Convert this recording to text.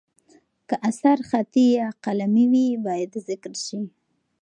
که اثر خطي یا قلمي وي، باید ذکر شي.